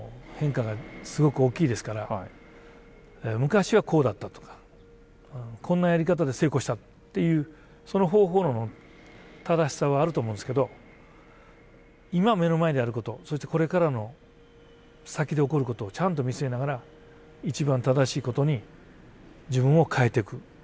昔はこうだったとかこんなやり方で成功したっていうその方法論の正しさはあると思うんですけど今目の前にあることそしてこれからの先で起こることをちゃんと見据えながら一番正しいことに自分を変えてく。